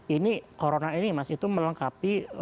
ini corona ini masih melengkapi